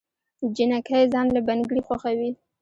جينکۍ ځان له بنګړي خوښوي